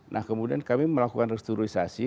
nah kemudian kami melakukan restruisasi